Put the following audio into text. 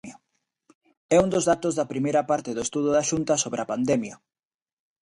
É un dos datos da primeira parte do estudo da Xunta sobre a pandemia.